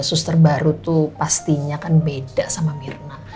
suster baru tuh pastinya kan beda sama mirna